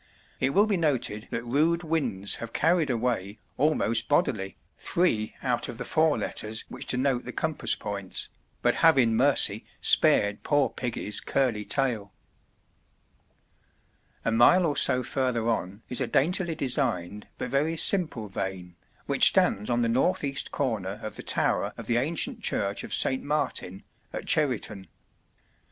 It will be noted that rude winds have carried away, almost bodily, three out of the four letters which denote the compass points, but have in mercy spared poor piggy's curly tail. [Illustration: At Newington. W. Hogg. 1892.] A mile or so further on is a daintily designed but very simple vane, which stands on the north east corner of the tower of the ancient church of St. Martin at Cheriton.